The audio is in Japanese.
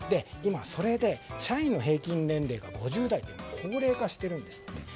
今それで、社員の平均年齢が５０代と高齢化しているんですって。